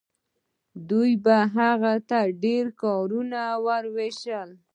دوی به هغو ته ډیر کارونه ویشل.